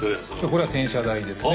これは転車台ですね。